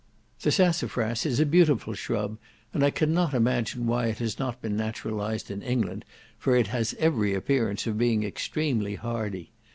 The sassafras is a beautiful shrub, and I cannot imagine why it has not been naturalized in England, for it has every appearance of being extremely hardy.